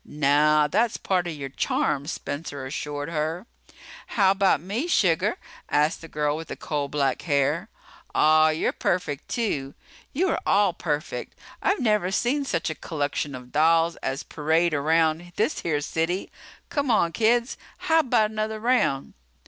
"Naw, that's part of your charm," Spencer assured her. "How 'bout me, sugar," asked the girl with the coal black hair. "Ah, you're perfect, too. You are all perfect. I've never seen such a collection of dolls as parade around this here city. C'mon, kids how 'bout another round?"